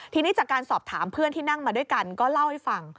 ทีนี้จากการสอบถามเพื่อนที่นั่งมาด้วยกันก็เล่าให้ฟัง